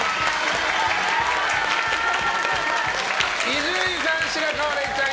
伊集院さん、白河れいちゃん